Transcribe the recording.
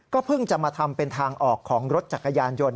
เพิ่งจะมาทำเป็นทางออกของรถจักรยานยนต